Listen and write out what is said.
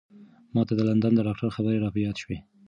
ما ته د لندن د ډاکتر خبرې را په یاد شوې.